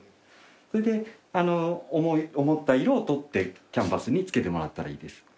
それで思った色を取ってキャンバスに付けてもらったらいいです。